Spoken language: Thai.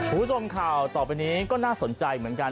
คุณผู้ชมข่าวต่อไปนี้ก็น่าสนใจเหมือนกัน